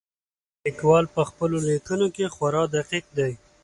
لیکوال په خپلو لیکنو کې خورا دقیق دی.